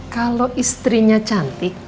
kalau istrinya cantik